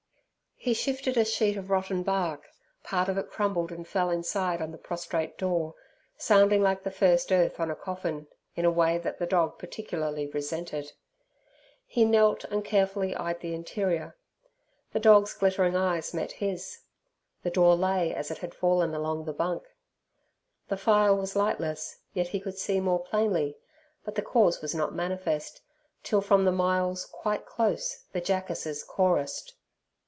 He shifted a sheet of rotten bark; part of it crumbled and fell inside on the prostrate door, sounding like the first earth on a coffin, in a way that the dog particularly resented. He knelt and carefully eyed the interior. The dog's glittering eyes met his. The door lay as it had fallen along the bunk. The fire was lightless, yet he could see more plainly, but the cause was not manifest, till from the myalls quite close the jackasses chorused.